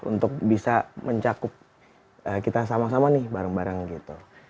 untuk bisa mencakup kita sama sama nih bareng bareng gitu